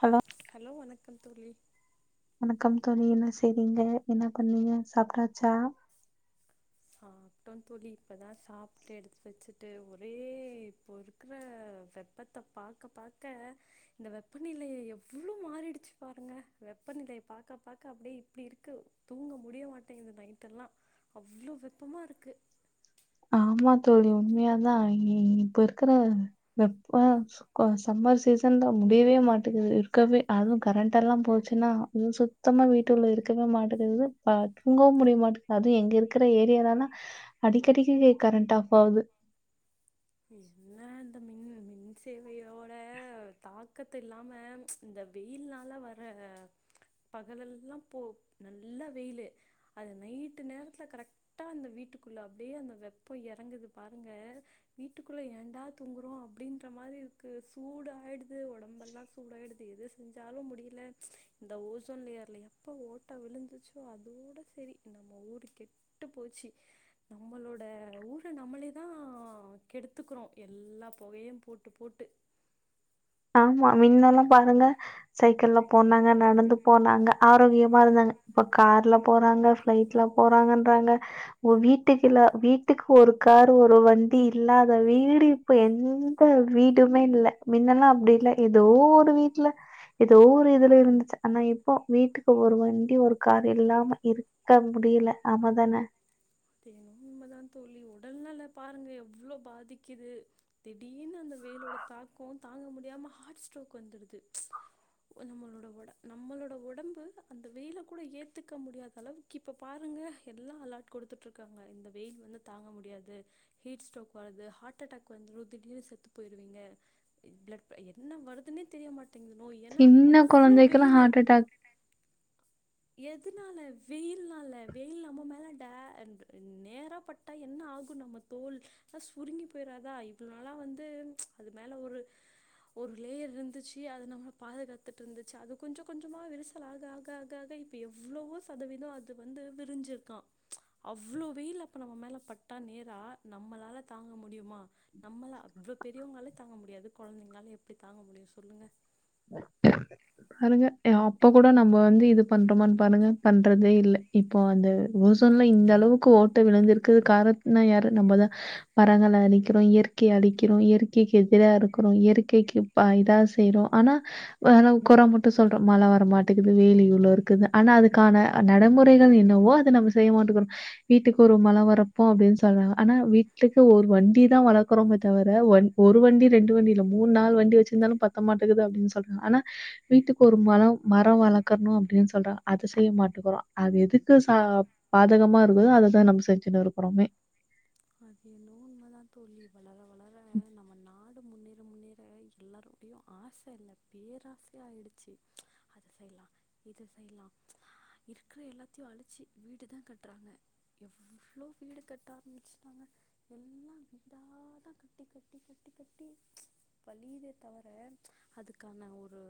Hello hello வணக்கம் தோழி வணக்கம் தோழி என்ன செய்றீங்க என்ன பண்ணீங்க சாப்டாச்சா? சாப்ட்டோ தோலி இப்பதா சாப்ட்டு எடுத்து வெச்சிட்டு ஒரே இப்போ இருக்குற வெப்பத்த பாக்க பாக்க இந்த வெப்பநிலைய எவ்ளோ மாறிடுச்சு பாருங்க வெப்பநிலைய பாக்க பாக்க அப்டியே இப்டி இருக்கு தூங்க முடிய மாட்டேங்குது நைட்டெல்லா அவ்ளோ வெப் வெப்பமா இருக்கு ஆமா தோழி உண்மையாதா இ-இப்ப இருக்கிற வெப்போ ஸ்கோ சம்மர் சீசன்தா முடியவே மாட்டுங்குது இர்க்கவே அதுவு கரெண்ட் எல்லா போச்சுன்னா அதுவு சுத்தமா வீட்டுள்ள இருக்கவே மாட்டேங்குது தா தூங்கவு முடிய மாட்டேங் அதுவு எங்க இருக்கிற ஏரியாலலா அடிக் அடிக்கடி கரண்ட் ஆஃப் ஆகுது என்ன இந்த மின் மின் சேவையோ? பாக்கத்து இல்லாம இந்த வெயில்னால வர பகலெல்லா போ நல்ல வெயிலு அது நைட்டு நேரத்துல கரெக்டா அந்த வீட்டுக்குள்ள அப்டியே அந்த வெப்போ எறங்குது பாருங்க வீட்டுக்குள்ளே ஏண்டா தூங்குறோ அப்டின்ற மாரி இருக்கு சூட ஆய்டுது உடம்பெல்லா சூடாய்டுது எது செஞ்சாலோ முடியுல இந்த ஓசோன் லேயர்ல எப்போ ஓட்ட விழுந்துச்சோ அதோட செரி நம்ம ஊரு கெட்டுப் போச்சு நம்மளோட ஊர நம்மளே தா கெடுத்துக்குறோ எல்லா பொகயு போட்டு-போட்டு ஆமா மின்னெல்லா பாருங்க சைக்கள்ல போனாங்க நடந்து போனாங்க ஆரோக்கியமா இருந்தாங்க இப்ப கார்ல போறாங்க ஃப்ளைட் போறாங்கன்றாங்க ஒ வீட்டுக்கு இல்ல வீட்டுக்கு ஒரு காரு ஒரு வண்டி இல்லாத வீடு இப்ப எந்த வீடுமே இல்ல மின்னெல்லா அப்டில்ல ஏதோ ஒரு வீட்டுல ஏதோ ஒரு இதுல இருந்துச்சு ஆனா இப்போ வீட்டுக்கு ஒரு வண்டி ஒரு கார் இல்லாம இருக்க முடியல ஆமதான? அது என்னமோ உண்மதா தோல்லி உடல்நல பாருங்க எவ்ளோ பாதிகிது திடீர்னு அந்த வெயிலோட தாக்கோ தாங்க முடியாம ஹாட் ஸ்ட்டோக் வந்துருது நம்மளோட ஒட நம்மளோட ஒடம்பு அந்த வெயில கூட ஏத்துக்க முடியாத அளவுக்கு இப்ப பாருங்க எல்லா அலாட் குடுத்துட் ங்க இந்த வெயில் வந்து தாங்க முடியாது ஹீட்ஸ்டோக் வருது ஹார்ட்டடாக் வந்துரு திடீர்னு செத்து போயிருவிங்க பிளட் இப்ப என்ன வருதுன்னே தெரிய மாட் சின்ன குழந்தைக்கெல்லா ஹார்ட் அட்டெக் எதுனால வெயில்னால வெயில் நம்ம மேல டெ நேரா பட்டா என்ன ஆகு நம்ம தோல் ல சுருங்கி போய்றதா இதுனால வந்து அது மேல ஒரு-ஒரு லேயர் இருந்துச்சி அது நம்ம பாதுகாத்துட் ருந்துச்சு அது கொஞ்சோ கொஞ்சமா விரிசல் ஆக-ஆக-ஆக் காக இப்ப எவ்ளோவோ சதவீதோ அது வந்து விரிஞ்ருக்கா அவ்ளோ வெயில் அப்ப நம்ம மேல பட்டா நேரா நம்மளால தாங்க முடியுமா? நம்மள அவ்வ பெரியோங்கலே தாங்க முடியாது கொழந்தைங்களால எப் டி தாங்க முடியு சொல்லுங்க? பாருங்க எ அப்ப கூட நம்ம வந்து இது பண்றோமனு பாருங்க பண்றதே இல்ல இப்போ அந்த ஒசோன்ல இந்த அளவுக்கு ஓட்ட விழுந்திருக்குது காரணத் னா யாரு நம்மதா மரங்கள அளிக்கிறோ இயற்கை அளிக்கிறோ இயற்கைக்கு எதிரா இருக்கிறோ இயற்கைக்கு ப்பா இதா செய்றோ ஆனா கொற மட்டு சொல்றோ மல வரமாட்டேங்கிது வேயில் இவ்ளோ இருக்குது அனா அதுக்கான நடமுறைகள் என்னவோ அத நம்ம செய்யமாட்டேக்றோ வீட்டுக்கு ஒரு மல வரப்போ அப்டின் சொல்லலா ஆனா வீட்டுக்கு ஒரு வண்டி தா வளக்குறோமே தவிர ஒரு வண்டி ரெண்டு வண்டி இல்ல மூணு நாள் வண்டி வச்சிருந்தாலு பத்த மாட்ட ங்குது அப்டின் சொல்லலா அனா வீட்டுக்கு ஒரு மலொ மரம் வளக்கற்ணு அப்டின் சொல்றா அது செய்ய மாட்டுகுறோ அது எதுக்கு ச பாதகமா இருக்குதோ அததா நம் செஞ்சினு இருக்றோமே. அது என்னவோ உண்மதா தோலி வளர-வளர ம் நாடு முன்னேற முன்னேற எல்லாருடைய ஆச இல்ல பேராசையா ஆயிடுச்சி ம்ச் அத செய்லா இது செய்லா இருக்குற எல்லாதயு அழிச்சி வீடுதா கட்றாங்க எவ்ளோ வீடு கட்ட ஆரம்பிச்சு எல்லா இதா தா கட்டி கட்டி கட்டி கட்டி வழிதே தவர அதுக்கான ஒரு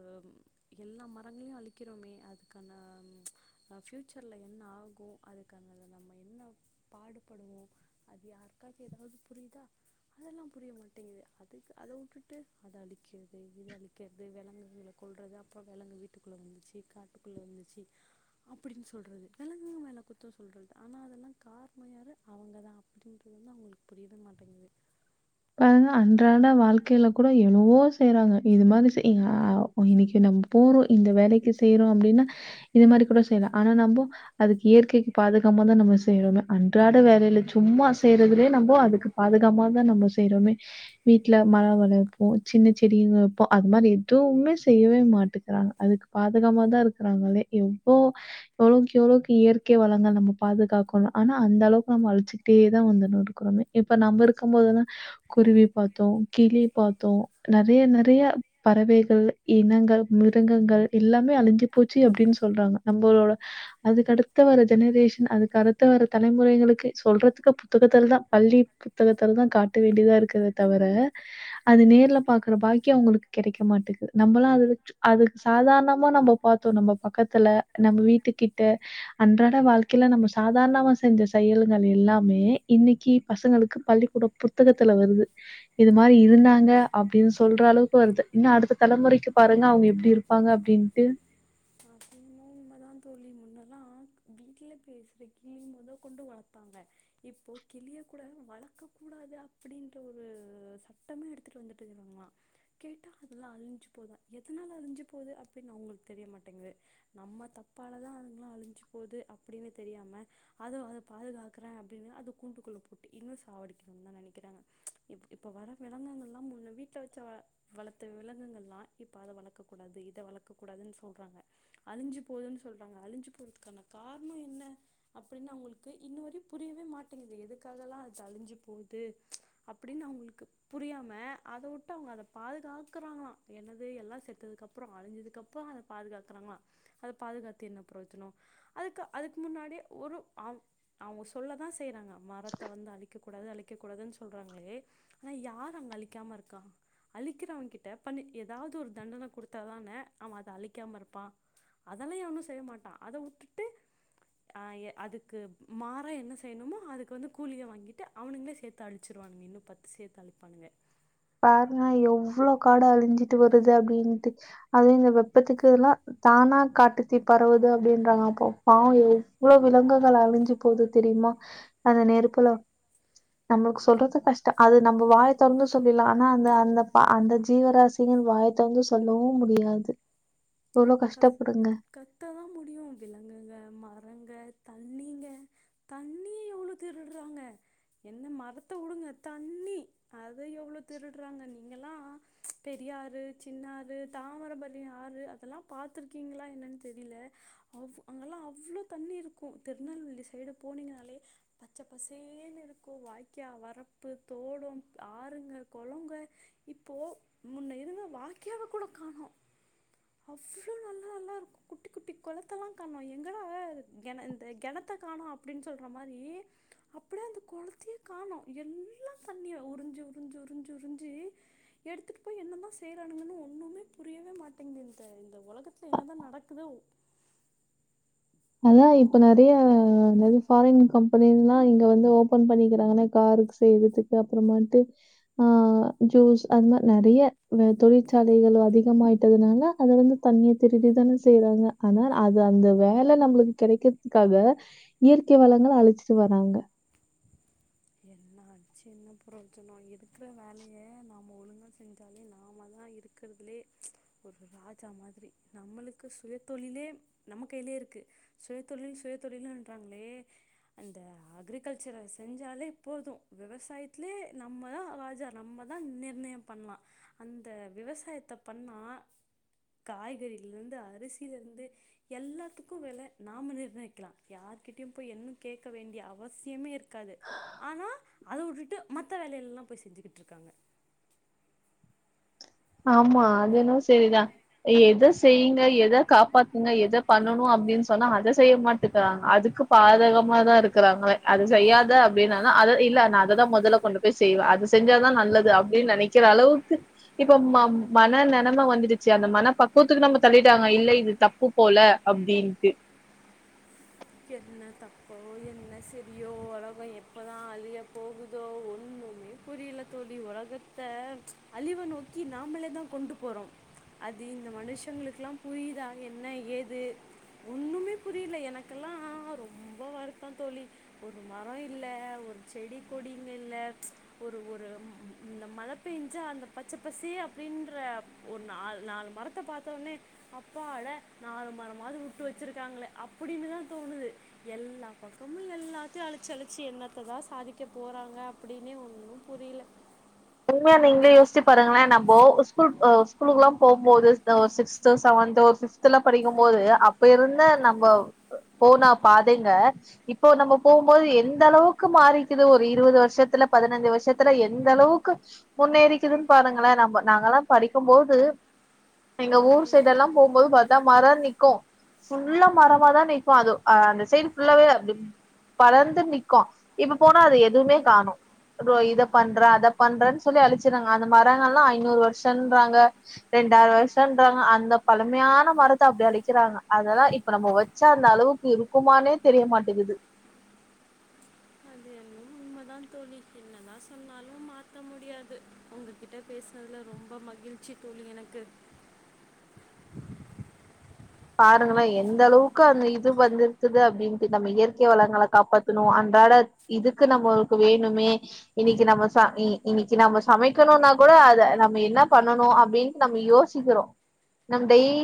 எல்லா மரங்கள்யு அழிக்கிறோமே அதுக்கான பியூச்சர்ல என்ன ஆகு அதுக்கான நம்ப என்ன பாடுபடுவோ அது யாருக்காது ஏதாவ்து புரியுதா அதெல்லா புரிய மாட்டேங்குது அதுக்கு அத வுட்டுட்டு அத அழிக்கறது இத அழிக்கறது வெலங்குகள கொல்றது அப்றோ வெலங்கு வீட்டுக்குள்ள வந்துச்சி காட்டுக்குள்ள வந்துச்சி அப்டின்னு சொல்றது வெலங்குங்க மேல குத்தோ சொல்றது ஆனா அதெல்லா கார்னோ யாரு அவங்கதா அப்டின்றது வந்து அவுங்களுக்கு புரியவே மாட்டேங்கிது னாலதா அன்றாட வாழ்க்கையில கூட எவ்ளோ செய்றாங்க இது மாரி செய் அ இன்னிக்கு நம்ப போறோ இந்த வேலைக்கு செய்றோ அப்டின்னா இது மாரி கூட செய்லா ஆனா நம்போ அதுக்கு இயற்கைக்கு பாதுகாம தா நம்ம செய்றோமே அன்றாட வேலையில சும்மா செய்றதுலே நம்ப அதுக்கு பாதுகாம தா நம்ப செய்றோமே வீட்ல மர வளர்ப்போ சின்ன செடி வெப்போ அது மாரி எதுவுமே செய்யவே மாட்டக்குறாங்க அதுக்கு பாதுகாம தா இருக்குறாங்களே எவ்ளோ எவ்ளோக்கு எவ்ளோக்கு இயற்கை வளங்கள நம்ம பாதுகாக்கணு ஆனா அந்த அளவுக்கு நம்ம அழிச்சுக்கிட்டேதா வந்துனு இருக்றோமே இப்ப நம்ப இருக்கு போதுதா குருவி பாத்தோம் கிளி பாத்தோ நெறைய நெறைய பறவைகள் இனங்கள் மிருங்கங்கள் எல்லாமே அழிஞ்சி போச்சி அப்டின்னு சொல்றாங்க நம்பளோட அதுக்கு அடுத்த வர ஜெனரேஷன் அதுக்கு அடுத்த வர தலைமுறைகளுக்கு சொல்றதுக்கு புத்தகத்துலதா பள்ளி புத்தகத்துல தா காட் டு வேண்டிதா இருக்குதே தவர அது நேர்ல பாக்குற பாக்கியோ அவுங்களுக்கு கெடைக்க மாட்டேக்குது நம்பலா அது லுச் அதுக்கு சாதார்ணமா நம்ப பாத்தோ நம்ப பக்கத்துல நம்ம வீட்டு கிட்ட அன்றாட வாழ்க்கையில நம்ப சாதாரணமா செஞ்ச செயல்கள் எல்லாமே இன்னிக்கு பசங்களுக்கு பள்ளிக்கூடோ புத்தகத்துல வருது இது மாரி இருந்தாங்க அப்டின்னு சொல்ற அளவுக்கு வருது இன்னு அடுத்த தலைமுறைக்கு பாருங்க அவுங்க எப்டி இருப்பாங்க அப்டின்ட்டு அது இன்னமோ உண்மதா தோழி முன்னெல்லா வீட்ல பேசுற கிளி மொத கொண்டு வளத்தாங்க இப்போ கிளிய கூட வளக்கக்கூடாது அப்டின்ற ஒரு சட்டமே எடுத்துட்டு வந்துட்டுறாங்களா கேட்டா அதெல்லா அழிஞ்சு போதா எதனால அழிஞ்சு போது அப்டின்னு அவங்களுக்கு தெரியமாட் கு நம்ப தப்பாலதா அதுங்கலா அழிஞ்சு போது அப்டின்னு தெரியாம அதவ் அத பாதுகாக்குறே அப்டின்னு அது கூண்டுக்குள்ள பூட்டி இன்னு சாவடிக்கணுன்தா நெனைக்கிறாங்க இப் இப்போ வர வெலங்குகள்லா முன்ன வீட்ல வச்சி வள வளர்த்த விலங்குங்கள்லா இப்ப அத வளக்கக்கூடாது இத வளக்கக் கூடாதுன்னு சொல்றாங்க. அழிஞ்சி போதுன் சொல்றாங்க அழிஞ்சி போறதுக்கான கார்ணோ என்ன அப்டின்னு அவுங்களுக்கு இன்னோ வரயு புரியவே மாட்டேங்குது எதுக்காகல்லா அழிஞ்சி போது ம்ச் அப்டின்னு அவுங்களுக்கு புரியாம அத வுட்டு அவுங்க அத பாதுகாக்குறாங்களா என்னது எல்லா செத்ததுக்கப்றோ அழிஞ்சதுக்கப்புறோ அத பாதுகாக் தராங்களா அத பாதுகாத்து என்ன ப்ரோஜனோ அதுக்க அதுக்கு முன்னாடி ஒரு அவ் அவுங்க சொல்லதா செய் செய்றாங்க மரத்த வந்து அழிக்கக் கூடாது அழிக் வெக்க கூடாதுனு சொல்றாங்களே ஆனா யாரு அங்க அழிக்காம இருக்கா அழிக்கிறவங்கிட்ட பண்ணி ஏதாவ்து ஒரு தண்டன கொடுத்தா தானே அவே அத அழிக்காம இருப் ப்பா அதெல்லா எவனு செய்ய மாட்டா அத வுட்டுட்டு அஹ் அதுக்கு மாறா என்ன செய்ணுமோ அதுக்கு வந்து கூலிய வாங்கிட்டு அவுனுங்களே சேத்து அழிச்சிருவானுங்க இன்னு பத்து சேத்து அழிப்பானுங்க பாருங்க எவ்ளோ காடு அழிஞ்சிட்டு வருது அப்டின்ட்டு அதுவே இந்த வெப்பத்துக்கு எல்லா தானா காட்டுததீ பரவுது அப்டின்றாங்க அப்போ பாவோ இவ்ளோ விலங்குகள் அழிஞ்சி போதுனு தெரியுமா அந்த நெருப்புல நம்மக்கு சொல்றது கஷ்டோ அது நம்ப வாய தொரந்து சொல்லிலா ஆனா அந்த அந்த பா அந்த ஜீவராசிகள் வாய தொரந்து சொல்லவு முடியாது. ஆ எவ்ளோ கஷ் கஷ்டப்படுங்க. கத்ததா முடியு விலங்குங்க மர அங்க தண்ணிங்க தண்ணிய எவ்ளோ திருடுறாங்க என்ன மரத்த வுடுங்க தண்ணி அத எவ்ளோ திருட்றாங்க நீங்கல்லா பெரிய ஆறு சின்ன ஆறு தாமரபரணி ஆறு இதெல்லா பாத்ருக்கீங்ளா என்னன்னு தெரியல அவ்ப் அங்கெல்லா அவ்ளோ தண்ணி இருக்கு திருநெல்வேலி சைடு போனீங்கனாலே பச்ச பசேர்ன்னு இருக்கு வாய்க்கா வரப்பு தோடோ ஆறுங்க கொளங்க இப்போ முன்ன இருந்த வாய்காவ கூட காணோ அவ்ளோ நல்லால்லாருக்கு குட்டி குட்டி கொளத்தெல்லா காணோ எங்கடா இது கெண இந்த கெணத்த காணோ அப்டின்னு சொல்ற மாரி அப்டியே அந்த கொளத்தையே காணோ எல்லா தண்ணியா உறிஞ்சு உறிஞ்சு உறிஞ்சு உறிஞ்சி எடுத்துட்டு போய் என்ன தா செய்றானுங்கன்னு ஒன்னுமே புரியவே மாட்டேங்து. இந்த இந்த ஒலகத்துல என்னதா நடக்குது அதா இப்ப நெறைய [unintelligible] ஃபாரின் கம்பெனில்லா இங்க வந்து ஓப்பன் பண்ணிக்கிறாங்கன்னா காருக்கு [unintelligible] அப்புறமேட்டு ஆ ஜூஸ் அந்த நெறைய வே- தொழிற்சாலைகள் அதிகமாயிட்டதுனால அத வந்து தண்ணிய திருடி தானே செய்றாங்க ஆனால் அது அந்த வே வேல நம்ளுக்கு கெடைக்கறதுக்காக இயற்கை வளங்கள அழிச்சிட்டு வராங்க அ சின்ன ப்ரோஜனோ இருக்கற வேலயே நாம ஒழுங்கா செஞ்சாலே நாம தா இருக்குறதுலே ஒரு ராஜா மாதிரி நம்மளுக்கு சுயதொழிலே நம்ப கைய்லேயே இருக்கு சுயதொழில் சுயதொழில்ன்றாங்களே அந்த அக்ரிகல்ச்சர செஞ்சாலேப்போது விவசாயத்லே நம்பதா ராஜா நம்பதா நிர்ணயம் பண்லா அந்த விவசாயத்த பண்ணா காய்கறிலிருந்து அரிசியில இருந்து எல்லாத்துக்கு வெல நாம நிர்ணயிக்கலா யார்கிட்டயு போய் என்னனு கேக்க வேண்டிய அவசியமே இருக்காது ஆனா அத வுட்டுட்டு மத்த வேலயெல்லா போய் செஞ்சுகிட்ருக்காங்க ஆமா அது என்னவோ செரிதா எதோ செய்ங்க எதோ காப்பாத்துங்க எதோ பண்ணணு அப்டின்னு சொன்னா அத செய்ய மாட்டேக்கறாங்க அதுக்கு பாதகமாதா இருக்குறாங்க அது செய்யாத அப்டின்னாதா அத இல்ல நா அததா மொதல்ல கொண்டு போய் செய்வ அத செஞ்சாதா நல்லது அப்டின்னு நெனைக்கிற அளவுக்கு இப்ப ம மன நெனம வந்துருச்சி அந்த மன பக்குவத்துக்கு நம்ம தள்ளிட்டாங்க இல்ல இது தப்பு போல அப்டின்ட்டு என்ன தப்போ என்ன சரியோ உலகம் எப்பதா அழிய போகுதோ ஒன்னுமே புரியல தோழி ஒலகத்த ம்ச் அழிவு நோக்கி நாமளே தா கொண்டு போறோ அது இந்த மனுஷங்களுக்லா புரியுதா என்ன ஏது ஒன்னுமே புரியல எனக்கெல்லா ரொம்ப வருத்தோ தோழி ஒரு மரோ இல்ல ஒரு செடி கொடிங்க இல்ல ம்ச் ஒரு ஒரு இந்த மழ பேஞ்சா அந்த பச்ச பசே அப்டின்ற ஒரு நால் நாலு மரத்த பாத்தோனே அப்பாடா நாலு மரமாவது வுட்டு வச்சுருக்காங்களே அப்டின்னு தா தோணுது. எல்லா பக்கமும் எல்லாத்யு அழிச்சி அழிச்சி என்னத்ததா சாதிக்க போறாங்க அப்டினே ஒன்னூ புரியல உண்மையா நீங்ளே யோஷ்ச்சு பாருங்களே நம்போ ஸ்கூல்க் அ ஸ்கூலுக்குலா போம்போது த்த சிக்ஸ்து செவென்து ஒரு ஃபிப்த்துல படிக்கும்போது அப்ப இருந்த நம்போ போனா பாதைங்க இப்போ நம்ப போகும்போது எந்த அளவுக்கு மாறிக்குது ஒரு இருவது வருஷத்துல பதனஞ்சு வருஷத்துல எந்த அளவுக்கு முன்னேறிக்குதுன்னு பாருங்களே நம்ப நாங்கெல்லா படிக்கும்போது எங்க அது ஊர் சைடெல்லா போம்போது பா ந்தா மரர் நிக்கு ஃபுல்லா மரவா தா நிக்கு அது அந்த சைடுபுல்லாவே பறந்து நிக்கு இப்ப போனா அது எதுவுமே காணோ இதோ இத பண்றே அத பண்றேன்னு சொல்லி அழிச்சறாங்க அந்த மரங்கள்லா ஐநூறு வருஷம்ன்றாங்க ரெண்டாயிரோ வருஷம்ன்றாங்க அந்த பழமையான மரத்த அப்டி அழிக்கிறாங்க அதெல்லா இப்ப நம்ப வொச்சோநாலு [unintelligible] அளவுக்கு இருக்குமானே தெரிய மாட்டேகுது உண்மதா தோழி என்னதா சொன்னாலு மாத்த முடியாது உங்ககிட்ட பேசுனதுல ரொம்ப மகிழ்ச்சி தோழி எனக்கு பாருங்களே எந்த அளவுக்கு அதுல இது வந்துருக்குது அப்டின்ட்டு நம்ப இயற்கை வளங்கள காப்பாத்தனு அன்றாட இதுக்கு நம்மளுக்கு வேணுமே இன்னிக்கு நம்ப சா- இனி இன்னிக்கு நம்ப சமைக்கணும்னா கூட அத நம்ப என்னா பண்ணனு அப்டின்ட்டு நம்ப யோசிக்றோ நம் டெய்லி